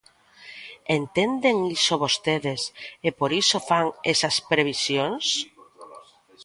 ¿Entenden iso vostedes e por iso fan esas previsións?